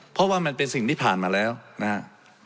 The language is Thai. เพราะว่ามันเป็นสิ่งที่ผ่านมาแล้วนะครับ